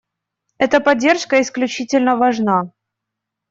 Эта поддержка исключительно важна.